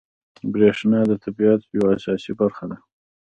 بریښنا د طبیعت یوه اساسي برخه ده